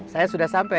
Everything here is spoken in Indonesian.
saya sudah sampai